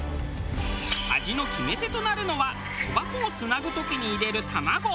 味の決め手となるのはそば粉をつなぐ時に入れる卵！